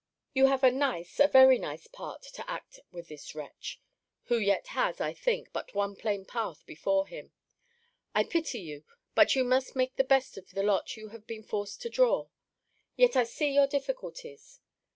You have a nice, a very nice part to act with this wretch who yet has, I think, but one plain path before him. I pity you but you must make the best of the lot you have been forced to draw. Yet I see your difficulties.